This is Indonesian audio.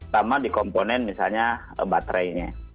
sama di komponen misalnya baterainya